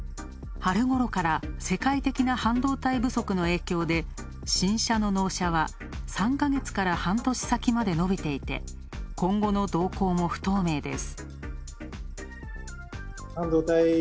春ごろから世界的に半導体不足の影響で新車の納車は３ヶ月から半年先までのびていて、今後の動向も不透明です。